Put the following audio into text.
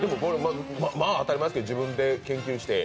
当たり前ですけど、自分で研究して？